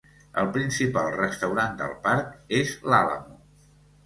El principal restaurant del parc és l'Alamo.